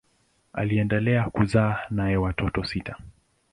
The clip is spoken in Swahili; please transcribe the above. Aliendelea kuzaa naye watoto sita.